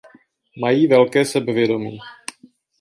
Mají velké sebevědomí.